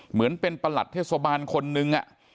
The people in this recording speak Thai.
เหมือนเป็นประหลัดเทศบาลคนนึง